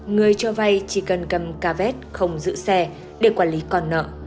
người cho vay chỉ cần cầm cà vét không giữ xe để quản lý còn nợ